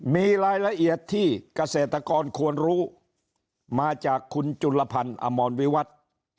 มีรายละเอียดที่เกษตรกรควรรู้มาจากคุณจุลพันธ์อมรวิวัตร